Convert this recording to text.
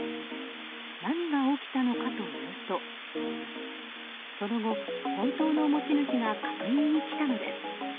何が起きたのかというとその後、本当の持ち主が確認に来たのです。